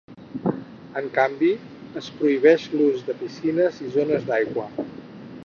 En canvi, es prohibeix l’ús de piscines i de zones d’aigua.